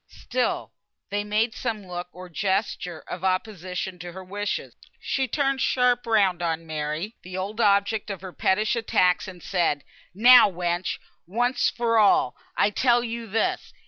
Still they made some look, or gesture of opposition to her wishes. She turned sharp round on Mary, the old object of her pettish attacks, and said, "Now, wench! once for all! I tell yo this.